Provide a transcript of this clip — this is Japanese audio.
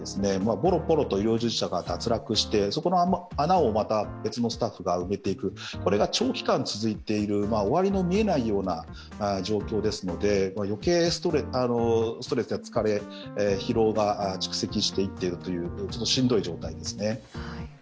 ぽろぽろと医療従事者が脱落してそこの穴を別のスタッフが埋めていく、これが長期間続いている、終わりの見えないような状況ですので、余計ストレスや疲労が蓄積していっているというちょっと、しんどい状態ですね。